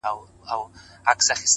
لکه شبنم چي د گلاب د دوبي لمر ووهي”